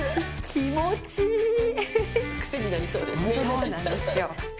そうなんですよ。